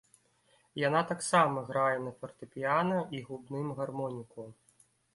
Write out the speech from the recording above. Яна таксама грае на фартэпіяна і губным гармоніку.